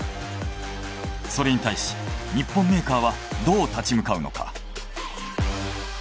それに対し日本メーカーはどう立ち向かうのか？